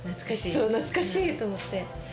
そう懐かしいと思って。